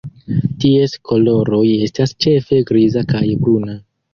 Ties koloroj estas ĉefe griza kaj bruna.